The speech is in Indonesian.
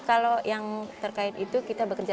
penyegaran konseling bersama terkait dengan kondisinya saat itu